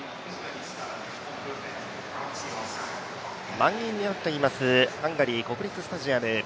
満員になっています、ハンガリー国立スタジアム。